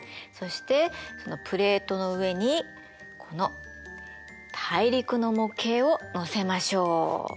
そしてプレートの上にこの大陸の模型をのせましょう。